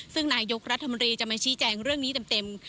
ซึ่งนายกรัฐมนตรีจะมาชี้แจงเรื่องนี้เต็ม